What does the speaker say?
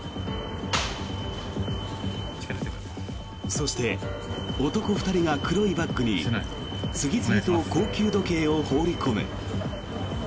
そして、男２人が黒いバッグに次々と高級時計を放り込む。